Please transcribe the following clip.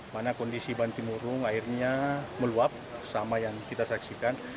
mana kondisi bantimurung akhirnya meluap sama yang kita saksikan